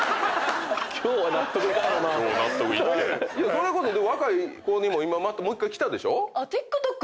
それこそ若い子にも今またもう１回きたでしょ？